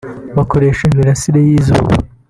bakoresha imirasire y’izuba